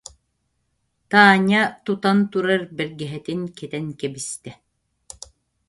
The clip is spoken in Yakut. Таня тутан турар бэргэһэтин кэтэн кэбистэ